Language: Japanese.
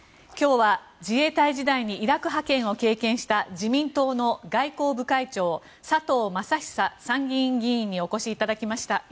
今日は自衛隊時代にイラク派遣を経験した自民党の外交部会長佐藤正久参議院議員にお越しいただきました。